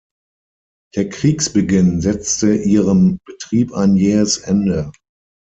Der Kriegsbeginn setzte ihrem Betrieb ein jähes Ende.